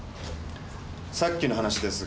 さっきの話ですが。